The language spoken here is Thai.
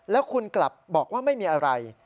แล้วคุณกลับบอกว่าไม่มีอะไร